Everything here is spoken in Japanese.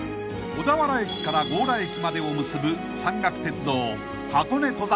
［小田原駅から強羅駅までを結ぶ］